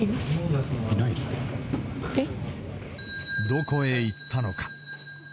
どこへ行ったのか。